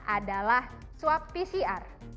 adalah swab pcr